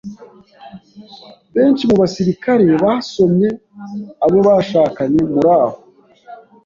Benshi mu basirikare basomye abo bashakanye muraho.